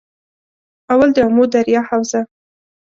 اول- دآمو دریا حوزه